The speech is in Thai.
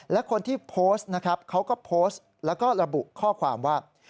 และคนที่โพสต์นะครับเขาก็โพสต์แล้วก็ระบุข้อความว่า